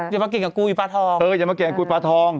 อย่ามาเกลียดกับกูอยู่ปลาทอง